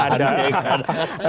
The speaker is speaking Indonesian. atau kemudian ada